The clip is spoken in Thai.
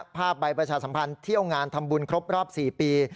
ภาพใบประชาสัมพันธ์เที่ยวงานทำบุญครบรอบ๔ปี